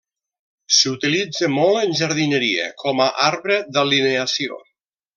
S'utilitza molt en jardineria com a arbre d'alineació.